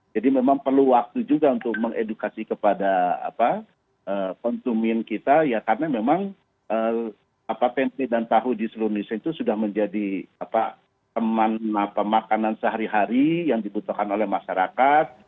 jadi memang perlu waktu juga untuk mengedukasi kepada konsumen kita karena memang tempe dan tahu di seluruh indonesia itu sudah menjadi teman makanan sehari hari yang dibutuhkan oleh masyarakat